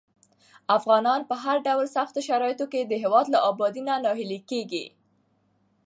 افغانان په هر ډول سختو شرايطو کې د هېواد له ابادۍ نه ناهیلي کېږي.